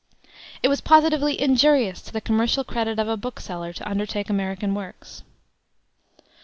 ... It was positively injurious to the commercial credit of a bookseller to undertake American works."